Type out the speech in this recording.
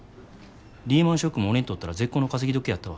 リーマンショックも俺にとったら絶好の稼ぎ時やったわ。